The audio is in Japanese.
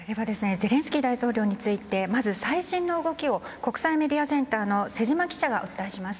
ゼレンスキー大統領についてまず最新の動きを国際メディアセンターの瀬島記者がお伝えします。